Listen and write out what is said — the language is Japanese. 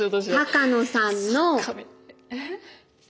鷹野さんの。えっ？